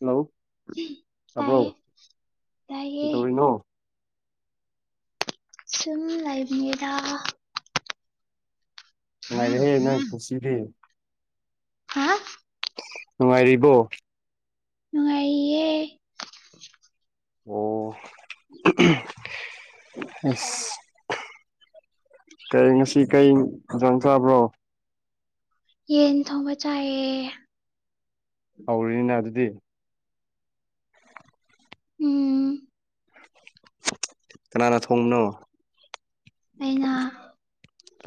Hello ꯇꯥꯏꯌꯦ ꯇꯥꯕ꯭ꯔꯣ ꯇꯥꯏꯌꯦ ꯀꯩꯗꯧꯔꯤꯅꯣ ꯁꯨꯝ ꯂꯩꯕꯅꯤꯗꯥ ꯉꯅꯨꯡꯥꯏꯔꯦꯍꯦ ꯅꯣꯏ ꯄꯨꯟꯁꯤꯗꯤ ꯍꯥ ꯅꯨꯡꯉꯥꯏꯔꯤꯕꯣ ꯅꯨꯡꯉꯥꯏꯔꯤ ꯑꯣ [unintelligible] ꯑꯁ ꯀꯔꯤꯅꯣꯉꯁꯤ ꯀꯩ ꯏꯟꯁꯥꯡ ꯆꯥꯕ꯭ꯔꯣ ꯌꯦꯟ ꯊꯣꯡꯕ ꯆꯥꯏꯌꯦ ꯍꯧꯔꯤꯅꯤꯅ ꯑꯗꯨꯗꯤ ꯎꯝ ꯀꯅꯥꯅ ꯊꯣꯡꯕꯅꯣ ꯑꯩꯅ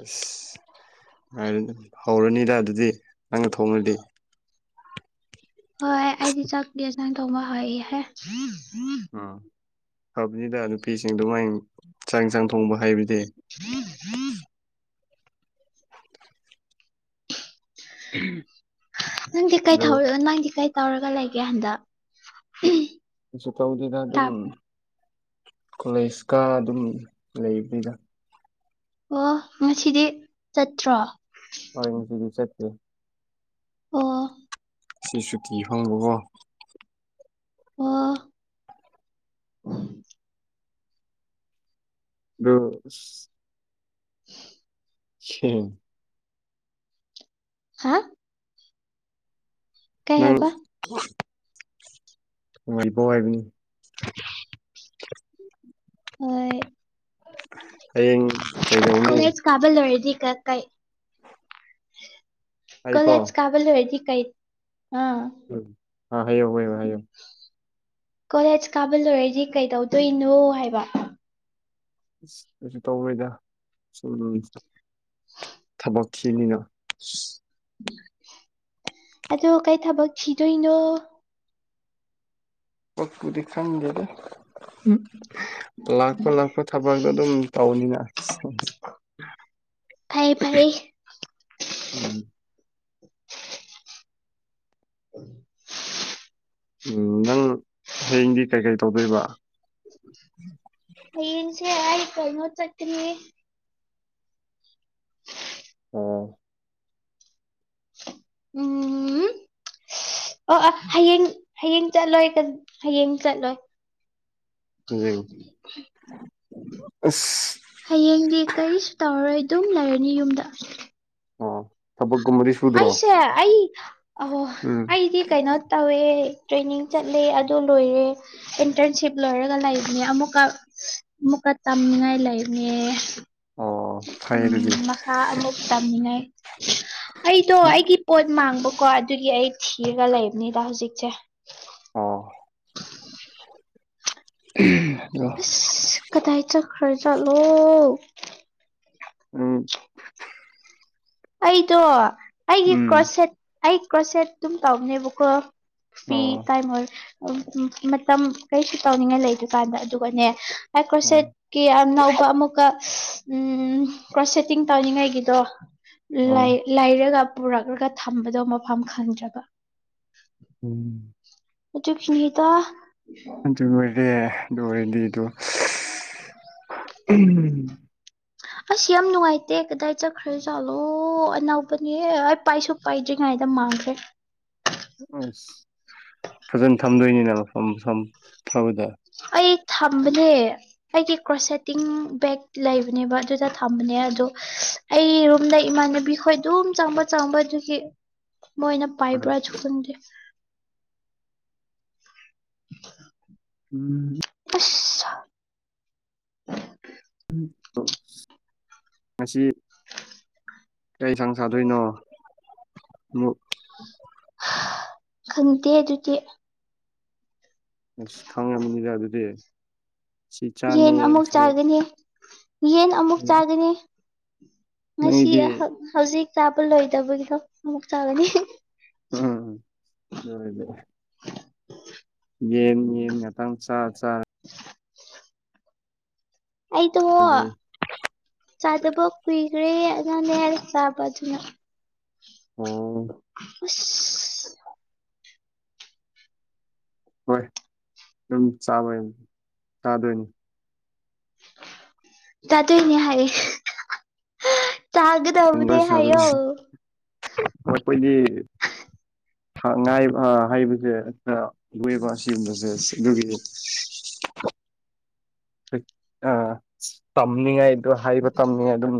ꯑꯁ ꯍꯧꯔꯅꯤꯗ ꯑꯗꯨꯗꯤ ꯅꯪꯅ ꯊꯣꯡꯉꯗꯤ ꯍꯣꯏ ꯑꯩꯗꯤ ꯆꯥꯛꯗꯤ ꯌꯦꯁꯥꯡ ꯊꯣꯡꯕ ꯍꯩꯍꯦ ꯎꯝ ꯐꯕꯅꯤꯗ ꯅꯨꯄꯤꯁꯤꯡ ꯑꯗꯨꯃꯥꯏ ꯆꯥꯛ ꯏꯟꯁꯥꯡ ꯊꯣꯡꯕ ꯍꯩꯕꯗꯤ ꯍ ꯍ [unintelligible] ꯅꯪꯗꯤ ꯀꯩ ꯑꯗꯣ ꯊꯧꯔ ꯅꯪꯗꯤ ꯀꯩ ꯇꯧꯔꯒ ꯂꯩꯒꯦ ꯍꯟꯗꯛ ꯀꯁꯨ ꯇꯧꯗꯦꯗꯥ ꯑꯗꯨꯝ ꯇꯥꯞ ꯀꯣꯂꯦꯖ ꯀꯔꯥ ꯑꯗꯨꯝ ꯂꯩꯕꯅꯤꯗ ꯑꯣ ꯉꯁꯤꯗꯤ ꯆꯠꯇ꯭ꯔꯣ [unintelligible] ꯆꯠ ꯇꯦ ꯑꯣ [unintelligible] ꯑꯣ [unintelligible] ꯑ [unintelligible] [unintelligible] [unintelligible] ꯍꯥ ꯀꯩ ꯅꯪ ꯍꯥꯏꯕ [unintelligible] ꯅꯨꯡꯉꯥꯏꯕꯧ ꯍꯥꯏꯕꯅꯤ ꯍꯣꯏ ꯍꯌꯦꯡ ꯀꯩꯗꯧꯅꯤ ꯀꯕ ꯂꯣꯏꯔꯗꯤ ꯀ ꯀꯩ ꯀꯂꯦꯖ ꯑꯩꯀꯣ ꯀꯥꯕ ꯂꯣꯏꯔꯗꯤ ꯀꯩ ꯑ ꯎꯝ ꯑꯥ ꯍꯥꯏꯌꯣ ꯍꯥꯏꯌꯣ ꯍꯥꯏꯌꯣ [unintelligible] ꯀꯣꯂꯦꯖ ꯀꯥꯕ ꯂꯣꯏꯔꯗꯤ ꯀꯩꯗꯧꯗꯣꯏꯅꯣ ꯍꯥꯏꯕ ꯀꯩꯁꯨ ꯇꯧꯔꯣꯏꯗ ꯁꯨ ꯅꯣꯝꯕꯥ ꯊꯕꯛ ꯊꯤꯅꯤꯅꯥ ꯑꯗꯣ ꯀꯩ ꯊꯕꯛ ꯊꯤꯗꯣꯏꯅꯣ ꯊꯕꯀꯄꯨꯗꯤ ꯈꯪꯗꯦꯗꯥ [unintelligible] ꯂꯥꯛꯄ ꯂꯥꯛꯄ ꯊꯕꯛ ꯑꯗꯨꯝ ꯇꯧꯅꯤꯅ [unintelligible] ꯐꯩ ꯐꯩ ꯎꯝ [unintelligible] [unintelligible] ꯎꯝ ꯅꯪ ꯍꯌꯦꯡꯗꯤ ꯀꯩꯀꯩ ꯇꯧꯗꯣꯏꯕ ꯍꯌꯦꯡꯁꯦ ꯑꯩ ꯀꯩꯅꯣ ꯆꯠꯀꯅꯤ ꯑꯣ ꯎꯝꯝ ꯑꯣ ꯑ ꯍꯌꯦꯡ ꯍꯌꯦꯡ ꯆꯠꯂꯣꯏ ꯍꯌꯦꯡ ꯆꯠꯂꯣꯏ꯫ ꯑꯁ꯫ ꯍꯌꯦꯡꯗꯤ ꯀꯔꯤꯁꯨ ꯇꯧꯔꯔꯣꯏ ꯑꯗꯨꯝ ꯂꯩꯔꯅꯤ ꯌꯨꯝꯗ꯫ ꯑꯣ ꯊꯕꯛꯀꯨꯝꯕꯗꯤ ꯁꯨꯝ꯫ ꯑꯩꯁꯦ ꯑꯩ ꯑꯍꯣ ꯎꯝ ꯑꯩꯗꯤ ꯀꯩꯅꯣ꯫ ꯇꯧꯋꯦ ꯇ꯭ꯔꯦꯅꯤꯡ ꯆꯠꯂꯦ ꯑꯗꯨ ꯂꯣꯏꯔꯦ ꯏꯟꯇꯔꯟꯁꯤꯞ ꯂꯣꯏꯔꯒ ꯂꯩꯕꯅꯦ ꯑꯃꯨꯛꯀ ꯃꯨꯛꯀ ꯇꯝꯅꯤꯡꯉꯥꯏ ꯂꯩꯕꯅꯦ꯫ ꯑꯣ ꯐꯩ ꯎꯝ ꯑꯗꯨꯗꯤ ꯃꯈꯥ ꯑꯃꯨꯛ ꯇꯥꯃꯤꯟꯅꯩ ꯑꯩꯗꯣ ꯑꯩꯒꯤ ꯄꯣꯠ ꯃꯥꯡꯕꯀꯣ ꯑꯗꯨꯒꯤ ꯑꯩ ꯊꯤꯔꯒ ꯂꯩꯕꯅꯤꯗ ꯍꯧꯖꯤꯛꯁꯦ꯫ ꯑꯣ꯫ ꯑꯁ ꯀꯗꯥꯏ ꯆꯠꯈꯔ ꯖꯠꯂꯣ꯫ ꯎꯝ꯫ ꯑꯩꯗꯣ ꯑꯩꯒꯤ ꯎꯝ ꯀ꯭ꯔꯣꯁꯦꯠꯒꯤ ꯑꯩ ꯀ꯭ꯔꯣꯁꯦꯠ ꯑꯗꯨꯝ ꯇꯧꯕꯅꯦꯕꯀꯣ꯫ ꯐꯤ ꯑꯣ ꯇꯥꯏꯃꯔ ꯃꯇꯝ ꯀꯔꯤꯁꯨ ꯇꯧꯅꯤꯡꯉꯥꯏ ꯂꯩꯗ ꯀꯥꯟꯗ ꯑꯗꯨꯒꯅꯦ ꯇꯥꯏ ꯑꯣ ꯀ꯭ꯔꯣꯁꯦꯠ ꯀꯦ ꯌꯥꯝ ꯅꯧꯕ ꯑꯃꯨꯛꯀ ꯎꯝ ꯀ꯭ꯔꯣ ꯁꯦꯠꯇꯤꯡ ꯇꯧꯅꯤꯡꯉꯥꯏꯒꯤꯗꯣ꯫ ꯑꯣ ꯂꯩꯔꯒ ꯄꯨꯔꯛꯂꯒ ꯊꯝꯕꯗꯣ ꯃꯐꯝ ꯈꯪꯗ꯭ꯔꯕ꯫ ꯎꯝ꯫ ꯑꯗꯨꯒꯤꯅꯤꯗ꯫ ꯑꯗꯨ ꯑꯣꯏꯔꯦ ꯑꯗꯨ ꯑꯣꯏꯔꯗꯤ ꯑꯗꯨ꯫ ꯑꯁ ꯌꯥꯝ ꯅꯨꯡꯉꯥꯏꯇꯦ ꯀꯗꯥꯏ ꯆꯠꯈ꯭ꯔ ꯆꯥꯠꯂꯣ ꯑꯅꯧꯕꯅꯦ ꯑꯩ ꯄꯥꯏꯁꯨ ꯄꯥꯏꯗ꯭ꯔꯤꯉꯩꯗ ꯃꯥꯡꯈ꯭ꯔꯦ꯫ ꯑꯁ ꯐꯖꯅ ꯊꯝꯗꯣꯏꯅꯤꯅ ꯃꯐꯝ ꯃꯐꯝ ꯐꯕꯗ꯫ ꯑꯩ ꯊꯝꯕꯅꯦ꯫ ꯑꯩꯗꯤ ꯀ꯭ꯔꯣꯁꯁꯦꯠꯇꯤꯡ ꯕꯦꯛ ꯂꯩꯕꯅꯦꯕ ꯑꯗꯨꯗ ꯊꯝꯕꯅꯦ ꯑꯗꯣ ꯑꯩꯔꯨꯝꯝꯗ ꯏꯃꯥꯟꯅꯕꯤ ꯈꯣꯏ ꯑꯗꯨꯝ ꯆꯪꯕ ꯆꯪꯕ ꯑꯗꯨꯒꯤ ꯃꯣꯏꯅ ꯄꯥꯏꯕ꯭ꯔꯁꯨ ꯈꯪꯗꯦ꯫ [inaudible] ꯎꯝ꯫ ꯑꯁ꯫ ꯃꯁꯤ꯫ ꯀꯩꯁꯥꯡ ꯆꯥꯗꯣꯏꯅꯣ꯫ ꯈꯪꯇꯦ ꯑꯗꯨꯗꯤ꯫ ꯑꯁ ꯈꯪꯉꯝꯅꯤꯗ ꯑꯗꯨꯗꯤ꯫ ꯁꯤ ꯆꯥꯅꯤ ꯌꯦꯟ ꯑꯃꯨꯛ ꯁꯤ ꯆꯥꯒꯅꯤ꯫ ꯌꯦꯟ ꯑꯃꯨꯛ ꯆꯥꯒꯅꯤ ꯉꯁꯤ ꯅꯪꯒꯤꯗꯤ ꯍꯧꯖꯤꯛ ꯆꯥꯕ ꯂꯣꯏꯗꯕꯒꯤꯗꯣ ꯑꯃꯨꯛ ꯆꯥꯒꯅꯤ꯫ ꯎꯝ [inaudible] ꯌꯦꯟ ꯌꯦꯟ ꯉꯥꯛꯇꯪ ꯆꯥ ꯆꯥꯔ ꯑꯩꯗꯣ ꯆꯥꯔꯗꯤ ꯆꯥꯗꯕ ꯀꯨꯏꯈ꯭ꯔꯦ ꯑꯗꯨꯅ ꯂꯩꯔꯥꯒ ꯆꯥꯕ ꯑꯗꯨꯅ꯫ ꯑꯣ꯫ ꯑꯁ꯫ ꯍꯣꯏ ꯑꯗꯨꯝ ꯆꯥꯃꯩ ꯆꯥꯗꯣꯏꯅꯤ꯫ ꯆꯥꯗꯣꯏꯅꯤ ꯍꯥꯏꯌꯦ꯫ ꯆꯥꯒꯗꯕꯅꯤ ꯂꯣꯏ ꯍꯥꯏꯌꯣ꯫ ꯆꯥꯗꯣꯏꯅꯤ ꯑꯩꯈꯣꯏꯗꯤ ꯉꯥꯏ ꯍꯩꯕꯁꯦ ꯈꯔ ꯂꯨꯌꯦꯕ ꯁꯤꯒꯨꯝꯕꯁꯦ ꯑꯗꯨꯒꯤ꯫ ꯑ ꯇꯝꯃꯤꯉꯥꯏ ꯑꯗꯨ ꯍꯥꯏꯕ ꯇꯝꯅꯤ ꯑꯗꯨꯝ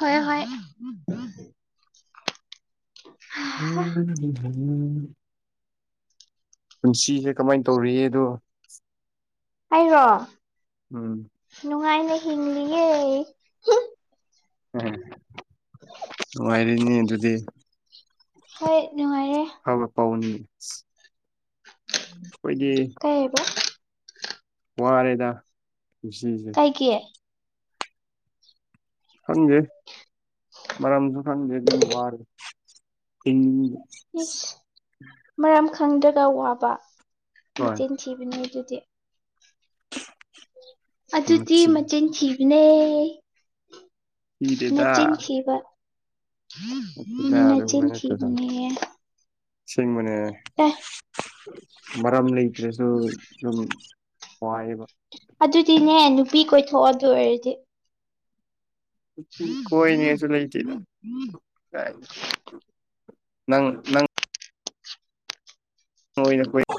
ꯍꯣꯏꯌꯦ ꯍꯣꯏ꯫ ꯎꯝ꯫ [unintelligible] ꯄꯨꯟꯁꯤꯁꯦ ꯀꯃꯥꯏꯟ ꯇꯧꯔꯤꯌꯦꯗꯣ꯫ ꯑꯩꯔꯣ ꯎꯝ ꯅꯨꯡꯉꯥꯏꯅ ꯍꯤꯡꯂꯤꯌꯦ꯫ ꯅꯨꯡꯏꯔꯤꯅꯦ ꯑꯗꯨꯗꯤ꯫ ꯍꯣꯏ ꯅꯨꯡꯉꯥꯏꯔꯦ꯫ ꯐꯕ ꯄꯥꯎꯟꯅꯤ ꯑꯩꯈꯣꯏꯒꯤ꯫ ꯍꯥꯏꯕ꯫ ꯋꯥꯔꯦꯗ ꯄꯨꯟꯁꯤꯁꯦ꯫ ꯀꯩꯀꯤ꯫ ꯈꯪꯗꯦ ꯃꯔꯝꯁꯨ ꯈꯪꯗꯦ ꯑꯗꯨꯝ ꯋꯔꯦ꯫ ꯏꯁ ꯃꯔꯝ ꯈꯪꯗ꯭ꯔꯒ ꯋꯥꯕ ꯍꯣꯏ ꯃꯤꯆꯤꯟ ꯊꯤꯕꯅꯦ ꯑꯗꯨꯗꯤ꯫ ꯎ [unintelligible] ꯑꯗꯨꯗꯤ ꯃꯆꯤꯟ ꯊꯤꯕꯅꯦ ꯊꯤꯗꯦꯗ ꯅꯆꯤꯟ ꯊꯤꯕ꯫ ꯅꯠꯇꯦꯗ ꯅꯆꯤꯟ ꯊꯣꯕꯅꯤꯌꯦ꯫ ꯁꯤꯡꯕꯅꯦ꯫ ꯑꯦ꯫ ꯃꯔꯝ ꯂꯩꯇ꯭ꯔꯁꯨ ꯁꯨꯝ ꯋꯥꯏꯌꯦꯕ꯫ ꯑꯗꯨꯗꯤꯅꯦ ꯅꯨꯄꯤ ꯀꯣꯏꯊꯣꯛꯑ ꯑꯗꯨ ꯑꯣꯏꯔꯗꯤ꯫ ꯅꯨꯄꯤ ꯀꯣꯏꯅꯤ ꯀꯁꯨ ꯂꯩꯇꯦꯗ ꯅꯪ ꯅꯪ꯫ ꯍꯅꯣꯏ [unintelligible]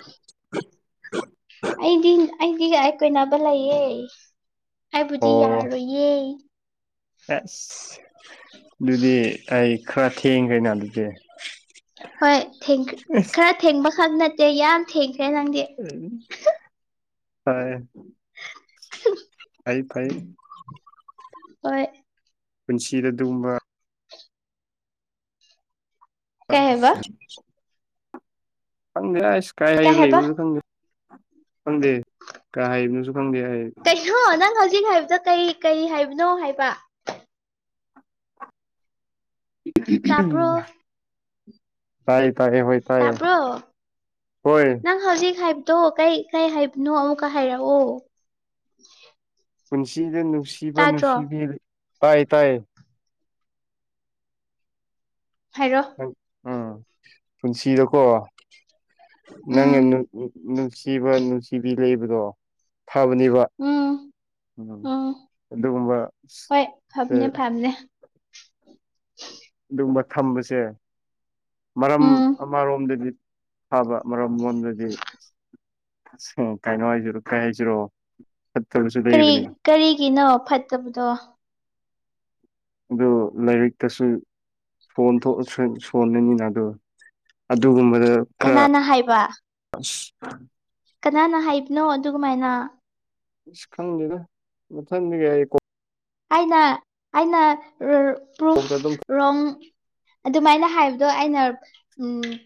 ꯑꯩꯗꯤ ꯑꯩꯗꯤ ꯀꯣꯏꯅꯕ ꯂꯩꯌꯦ ꯍꯥꯏꯕꯨꯗꯤ ꯑꯣ ꯌꯥꯔꯣꯏ꯫ ꯏꯌꯦ꯫ ꯑꯁ ꯑꯗꯨꯗꯤ ꯑꯩ ꯈꯔ ꯊꯦꯡꯈ꯭ꯔꯦꯅ ꯑꯗꯨꯗꯤ꯫ ꯍꯣꯏ ꯊꯦꯡ ꯈꯔ ꯊꯦꯡꯕꯈꯛ ꯅꯠꯇꯦ ꯌꯥꯝ ꯊꯦꯡꯈ꯭ꯔꯦ ꯅꯪꯗꯤ꯫ [unintelligible] ꯐꯩ ꯐꯩ꯫ ꯍꯣꯏ꯫ ꯄꯨꯟꯁꯤꯗ ꯑꯗꯨꯒꯨꯝꯕ꯫ ꯀꯩ ꯍꯥꯏꯕ ꯈꯪꯗꯦ ꯏꯁ ꯀꯥꯏ ꯀꯩ ꯀꯥꯏꯗ ꯍꯥꯏꯕ ꯂꯩꯕꯅꯣ ꯈꯪꯗꯦ꯫ ꯈꯪꯗꯦ ꯀꯍꯥꯏꯗꯨꯁꯨ ꯈꯪꯗꯦ ꯍꯥꯏꯌꯦ꯫ ꯊꯨ ꯅꯪ ꯍꯧꯖꯤꯛ ꯍꯥꯏꯕꯗꯣ ꯀꯩ ꯀꯩ ꯍꯥꯏꯕꯅꯣ ꯍꯥꯏꯕ꯫ ꯇꯥꯕ꯭ꯔꯣ [unintelligible] ꯐꯔꯦ ꯐꯔꯦꯕ꯫ ꯇꯥꯄ꯭ꯔꯣ ꯅꯪ ꯍꯧꯖꯤꯛ ꯍꯥꯏꯕ꯫ ꯗꯣ ꯀꯩ ꯀꯩ ꯍꯥꯏꯕꯅꯣ ꯑꯃꯨꯛꯀ ꯍꯥꯏꯔꯛꯑꯣ꯫ [unintelligible] ꯄꯨꯟꯁꯤꯗ ꯅꯨꯡꯁꯤꯕ ꯇꯥꯗ꯭ꯔꯣ ꯅꯨꯡꯁꯤꯕꯤ ꯇꯥꯏꯌꯦ ꯇꯥꯏꯌꯦ꯫ ꯍꯥꯏꯔꯣ꯫ ꯎꯝ ꯄꯨꯟꯁꯤꯗꯀꯣ ꯅꯪꯅ ꯎꯝ ꯅꯨꯡꯁꯤꯕ ꯅꯨꯡꯁꯤꯕꯤ ꯂꯩꯕꯔꯣ꯫ ꯐꯥꯕꯅꯤꯕ ꯎꯝ ꯎꯝ ꯑꯗꯨꯒꯨꯝꯕ ꯍꯣꯏ ꯐꯕꯅꯦ ꯈꯔ꯫ ꯐꯕꯅꯦ ꯑꯗꯨꯒꯨꯝꯕ ꯊꯝꯕꯁꯦ ꯃꯔꯝ ꯎꯝ ꯑꯃꯔꯣꯝꯗꯗꯤ꯫ ꯐꯕ ꯃꯔꯝ ꯂꯣꯟꯕꯗꯤ ꯀꯩꯅꯣ ꯍꯥꯏꯁꯤꯔꯣ ꯀꯩ ꯍꯥꯏꯁꯤꯔꯣ꯫ [unintelligible] ꯀꯔꯤ ꯀꯔꯤꯒꯤꯅꯣ ꯐꯠꯇꯕꯗꯣ꯫ ꯑꯗꯣ ꯂꯥꯏꯔꯤꯛꯇꯁꯨ꯫ ꯐꯣꯟ ꯁꯣꯟꯂꯅꯤꯅ ꯑꯗꯣ ꯑꯗꯨꯒꯨꯝꯕꯗ꯫ ꯀꯅꯥꯅ ꯍꯥꯏꯕ꯫ ꯑꯁ꯫ ꯀꯅꯥꯅ ꯍꯥꯏꯕꯅꯣ ꯑꯗꯨꯒꯨꯝꯃꯥꯏꯅ꯫ ꯑꯁ ꯈꯪꯗꯦꯗ ꯃꯊꯪꯗꯤꯒꯤ ꯑꯩ ꯀꯣꯛ꯫ ꯑꯩꯅ ꯑꯩꯅ ꯄ꯭ꯔꯨꯐ ꯀꯣꯛꯇ ꯑꯗꯨꯝ ꯔꯣꯡ꯫ ꯑꯗꯨꯃꯥꯏꯅ ꯍꯥꯏꯕꯗꯣ ꯑꯩꯅ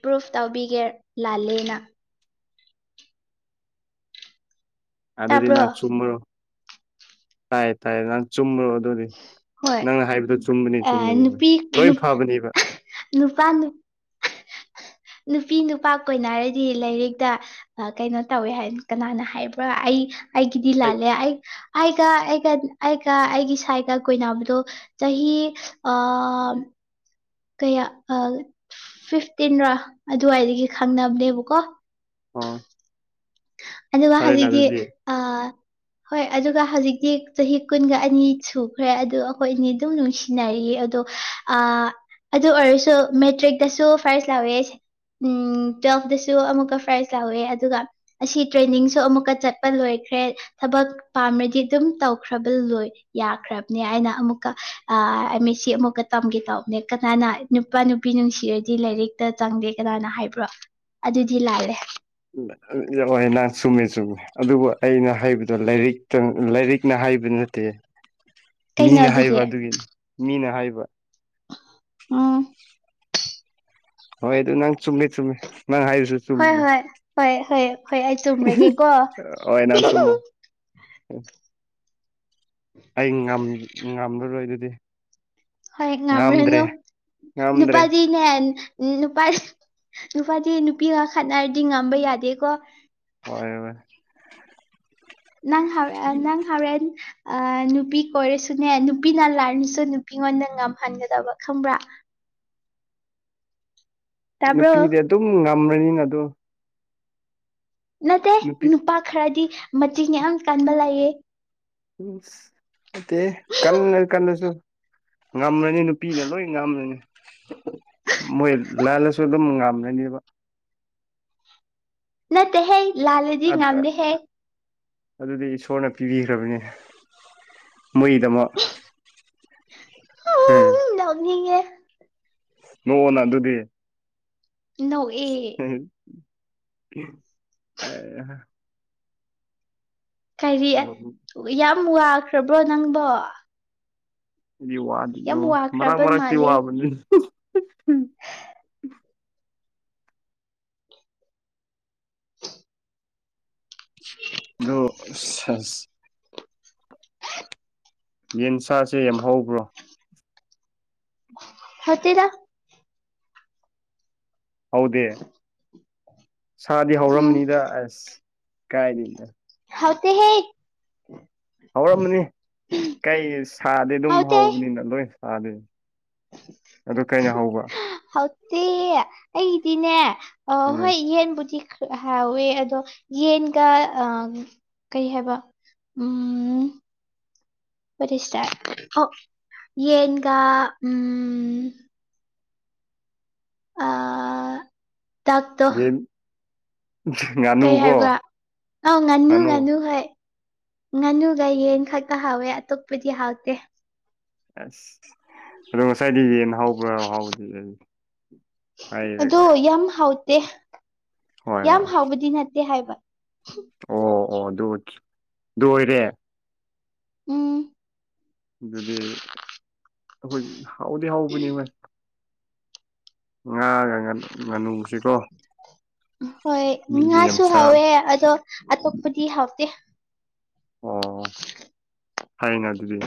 ꯄ꯭ꯔꯨꯐ ꯇꯧꯕꯤꯒꯦ ꯂꯥꯜꯂꯦꯅ꯫ ꯑꯗꯨꯗꯤ ꯇꯥꯕ꯭ꯔꯣ ꯅꯪ ꯆꯨꯝꯕ꯭ꯔꯣ ꯇꯥꯏ ꯇꯥꯏ ꯅꯪ ꯆꯨꯝꯕ꯭ꯔꯣ ꯑꯗꯨꯗꯤ ꯍꯣꯏ ꯅꯪꯅ ꯍꯥꯏꯕꯗꯨꯣ ꯆꯨꯝꯕꯅꯤ ꯆꯨꯝꯕꯅꯦꯕ ꯂꯣꯏ ꯐꯕꯅꯦꯕ ꯅꯨꯄꯥꯥꯟ ꯅꯨꯄꯤ ꯅꯨꯄꯥ ꯀꯣꯏꯅ ꯍꯥꯏꯔꯗꯤ ꯂꯥꯏꯔꯤꯛꯇ ꯀꯩꯅꯣ ꯇꯧꯋꯦ ꯍꯥꯏ ꯀꯅꯥꯅ ꯍꯥꯏꯕ꯭ꯔꯥ ꯑꯩ ꯑꯩꯒꯤꯗꯤ ꯂꯥꯜꯂꯦ ꯑꯩ ꯑꯩꯒ ꯑꯩꯒ ꯑꯩꯒ ꯑꯩꯒꯤ ꯁꯥꯏꯒ ꯀꯣꯏꯕꯗꯣ ꯆꯍꯤ ꯆꯍꯤ ꯑ ꯀꯌꯥ ꯐꯤꯐꯇꯤꯟꯔꯣ ꯑꯗꯨꯋꯥꯏꯗꯒꯤ ꯈꯪꯅꯕꯅꯦꯕꯀꯣ ꯑ ꯑꯗ ꯋꯥ ꯍꯧꯒꯤ [unintelligible] ꯍꯣꯏ ꯑꯗꯨꯒ ꯍꯧꯖꯤꯛꯇꯤ ꯆꯍꯤ ꯀꯨꯟꯒ ꯑꯅꯤ ꯁꯨꯈ꯭ꯔꯦ ꯑꯗꯨ ꯑꯩꯈꯣꯏ ꯑꯅꯤ ꯑꯗꯨꯝ ꯅꯨꯡꯁꯤ ꯅꯩꯌꯦ ꯑꯗꯣ ꯑꯗꯨ ꯑꯣꯏꯔꯁꯨ ꯃꯦꯇ꯭ꯔꯤꯛꯇꯁꯨ ꯐꯥꯔꯁ ꯂꯧꯋꯦ ꯁꯦ꯫ ꯎꯝ ꯇ꯭ꯋꯦꯜꯐꯇꯁꯨ ꯑꯃꯨꯛꯀ ꯄ꯭ꯔꯥꯏꯖ ꯂꯥꯎꯋꯦ ꯑꯗꯨꯒ꯫ ꯑꯁꯤ ꯇ꯭ꯔꯦꯅꯤꯡꯁꯨ ꯑꯃꯨꯛꯀ ꯆꯠꯄ ꯂꯣꯏꯈ꯭ꯔꯦ ꯊꯕꯛ ꯄꯥꯝꯔꯗꯤ ꯑꯗꯨꯝ ꯇꯧꯈ꯭ꯔꯕ ꯂꯣꯏ꯫ ꯌꯥꯈ꯭ꯔꯕꯅꯦ ꯍꯥꯏꯅ ꯑꯃꯨꯛꯀ ꯑ ꯃꯤ ꯁꯤ ꯑꯃꯨꯛꯀ ꯇꯝꯒꯦ ꯇꯧꯕꯅꯦ ꯀꯅꯥꯅ꯫ ꯅꯨꯄꯥ ꯅꯨꯄꯤ ꯅꯨꯡꯁꯤꯔꯗꯤ ꯂꯥꯏꯔꯤꯛꯇ ꯆꯪꯗꯦ ꯀꯅꯥꯅ ꯍꯥꯏꯕ꯭ꯔꯣ ꯑꯗꯨꯗꯤ ꯂꯥꯜꯂꯦ꯫ ꯌꯥ ꯅꯪ ꯆꯨꯝꯃꯦ ꯆꯨꯝꯃꯦ ꯑꯗꯨꯕꯨ ꯑꯩꯅ ꯍꯥꯏꯕꯗꯣ ꯂꯥꯏꯔꯤꯛꯇ ꯂꯥꯏꯔꯤꯛ꯫ ꯅ ꯍꯥꯏꯕ ꯅꯠꯇꯦ ꯀꯩꯅꯣ ꯃꯤꯅ ꯑꯗꯨꯗꯤ ꯍꯥꯏꯕ ꯑꯗꯨꯒꯤꯅꯤ ꯃꯤꯅ ꯍꯥꯏꯕ꯫ ꯎꯝ꯫ ꯍꯣꯏ ꯑꯗꯨ ꯅꯪ ꯆꯨꯝꯃꯦ ꯆꯨꯝꯃꯦ ꯅꯪ ꯍꯥꯏꯔꯁꯨ ꯍꯣꯏ ꯆꯨꯝꯕꯅꯤ ꯍꯣꯏ ꯍꯣꯏ ꯍꯣꯏ ꯍꯣꯏ ꯑꯩ ꯆꯨꯝꯔꯒꯦꯀꯣ ꯑꯣ ꯅꯥꯟ ꯁꯨꯝꯃꯣ ꯑꯩ ꯉꯝꯂꯔꯣꯏ ꯑꯗꯨꯗꯤ ꯍꯣꯏ ꯉꯝꯗ꯭ꯔꯦ ꯉꯝꯔꯅꯨ ꯉꯝꯗ꯭ꯔꯦ ꯅꯨꯄꯥꯗꯤ ꯅꯦ ꯅꯨꯄꯥ ꯅꯨꯄꯥꯗꯤ ꯅꯨꯄꯤꯒ ꯈꯠꯅꯔꯗꯤ ꯉꯝꯕ ꯌꯥꯗꯦꯀꯣ ꯍꯣꯏ ꯅꯪ ꯍ ꯅꯪ ꯍꯔ ꯑ ꯅꯨꯄꯤ ꯀꯣꯏꯔꯁꯨꯅꯦ ꯅꯨꯄꯤꯅ ꯂꯥꯏꯅꯁꯨ ꯅꯨꯄꯤꯉꯣꯟꯗ ꯉꯝꯍꯟꯒꯗꯕ ꯈꯪꯕ꯭ꯔꯥ ꯇꯥꯕ꯭ꯔꯣ ꯅꯨꯄꯤꯗꯤ ꯑꯗꯨꯝ ꯉꯝꯂꯅꯤꯅ ꯑꯗꯨ ꯅꯠꯇ ꯅꯨꯠꯇ ꯄꯥꯛ ꯈꯔꯗꯤ ꯃꯇꯆꯤ ꯌꯥꯝ ꯀꯟꯕ ꯂꯥꯛꯌꯦꯦ ꯎ ꯀꯟꯅ ꯀꯟꯅꯁꯨ ꯉꯝꯂꯅꯤ ꯅꯨꯄꯤꯅ ꯂꯣꯏ ꯉꯝꯂꯅꯤ ꯃꯣꯏ ꯂꯜꯂꯁꯨ ꯑꯗꯨꯝ ꯉꯥꯝꯅꯅꯦꯕ ꯅꯠꯇ ꯍꯦ ꯂꯥꯂꯖꯤ ꯉꯝꯗꯦ ꯍꯦ ꯑꯗꯨꯗꯤ ꯏꯁꯣꯔꯅ ꯄꯤꯕꯤꯈ꯭ꯔꯕꯅꯤ ꯃꯣꯏꯒꯤꯗꯃꯛ ꯎꯝ ꯎ ꯅꯦ ꯅꯣꯛꯑꯣꯅ ꯑꯗꯨꯗꯤ ꯏ ꯍ ꯑ ꯀꯔꯤ ꯌꯥꯝ ꯋꯥꯈ꯭ꯔꯕ꯭ꯔꯣ ꯅꯪꯕꯣ ꯑꯩꯗꯤ ꯌꯥꯝ ꯋꯥꯗꯗꯣ ꯃꯔꯛ ꯋꯥꯈ꯭ꯔꯕ ꯃꯔꯛꯇꯤ ꯃꯥꯜꯂꯤ ꯋꯥꯕꯅꯤ ꯑ ꯌꯦꯟꯁꯥꯁꯦ ꯌꯥꯝ ꯍꯧꯕ꯭ꯔꯣ ꯍꯆꯦꯔ ꯍꯧꯗꯦ ꯁꯥꯗꯤ ꯎꯝ ꯍꯧꯔꯝꯅꯤꯗ ꯑꯁ ꯀꯥꯏꯔꯤꯅ ꯍꯥꯎꯗꯤ ꯍꯦ ꯍꯧꯔꯝꯃꯅꯤ ꯀꯩ ꯁꯥꯗꯤꯦ ꯑꯗꯨꯝ ꯍꯥꯎꯇꯦ ꯍꯧꯕꯅꯤꯅ ꯂꯣꯏ ꯗꯤ ꯑꯗꯨ ꯀꯩꯅꯣ ꯍꯧꯕ ꯍꯥꯎꯇꯦ ꯑꯩꯗꯤꯅꯦ ꯑ ꯎꯝ ꯍꯣꯏ ꯌꯦꯟꯕꯨꯗꯤ ꯍꯥꯏꯋꯦ ꯑꯗꯣ ꯌꯦꯟꯒ ꯀꯩ ꯍꯥꯏꯕ ꯎꯝ ꯄꯔꯤꯁꯔ ꯑꯣ ꯌꯦꯟꯒ ꯎꯝ ꯑ ꯗꯛꯇꯣ ꯌꯦ ꯀꯩ ꯍꯥꯏꯕ꯭ꯔꯥ ꯑꯥꯎ ꯉꯥꯅꯨ ꯉꯥꯅꯨ ꯍꯣꯏ ꯉꯥꯅꯨꯒ ꯌꯦꯟ ꯈꯛꯀ ꯍꯥꯎꯋꯦ ꯑꯇꯣꯞꯄꯗꯤ ꯍꯥꯎꯇꯦ ꯑꯁ ꯑꯗꯣ ꯉꯁꯥꯏꯗꯤ ꯌꯦꯟ ꯍꯥꯎꯕ꯭ꯔꯥ ꯍꯥꯎꯕꯗꯤ ꯂꯩ ꯑꯗꯣ ꯌꯥꯝ ꯍꯥꯎꯇꯦ ꯍꯣꯏ ꯌꯥꯝ ꯍꯣꯏ ꯍꯥꯎꯕꯗꯤ ꯅꯠꯇꯦ ꯍꯥꯏꯕ ꯑꯣ ꯑꯣ ꯑꯗꯨ ꯂꯣꯏꯔꯦ ꯎꯝ ꯑꯗꯨꯗꯤ ꯑꯩꯈꯣꯏ ꯍꯥꯎꯗꯤ ꯍꯥꯎꯕꯅꯤ ꯍꯣꯏ ꯉꯥꯒ ꯉꯥꯅꯨꯁꯤꯀꯣ ꯍꯣꯏ ꯃꯤꯅ ꯌꯥꯝ ꯉꯥꯁꯨ ꯆꯥꯕ ꯍꯥꯎꯋꯦ ꯑꯗꯣ ꯑꯇꯣꯞꯄꯗꯤ ꯍꯥꯎꯇꯦ ꯑꯣ ꯍꯥꯏꯅꯦ ꯑꯗꯨꯗꯤ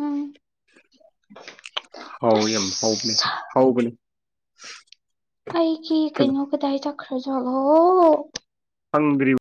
ꯎꯝ ꯍꯥꯎ ꯌꯥꯝ ꯍꯥꯎꯕꯅꯦ ꯑꯁ ꯍꯥꯎꯕꯅꯤ ꯑꯩ ꯀ ꯀꯩꯅꯣ ꯀꯗꯥꯏ ꯆꯀ꯭ꯔ ꯒꯣ ꯐꯪꯗ꯭ꯔꯤꯕ